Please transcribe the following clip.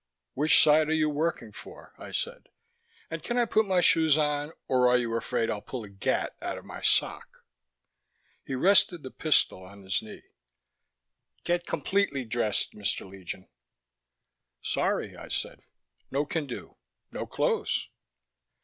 "Which side are you working for?" I said. "And can I put my shoes on, or are you afraid I'll pull a gat out of my sock?" He rested the pistol on his knee. "Get completely dressed, Mr. Legion." "Sorry," I said. "No can do. No clothes."